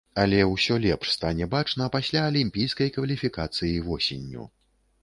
Але ўсё лепш стане бачна пасля алімпійскай кваліфікацыі восенню.